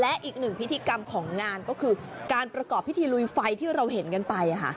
และอีกหนึ่งพิธีกรรมของงานก็คือการประกอบพิธีลุยไฟที่เราเห็นกันไป